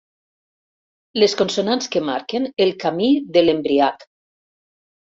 Les consonants que marquen el camí de l'embriac.